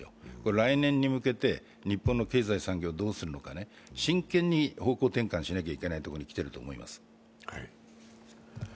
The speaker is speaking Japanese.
来年に向けて日本の経済、産業をどうするのか、真剣に方向転換しなきゃいけないところに来てると思います。